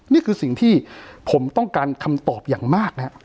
นี่คือสิ่งที่ผมต้องการคำตอบอย่างมากนะครับ